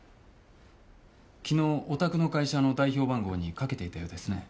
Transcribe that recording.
昨日おたくの会社の代表番号にかけていたようですね。